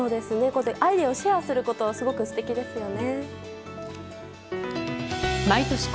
アイデアをシェアすることはすごく素敵ですよね。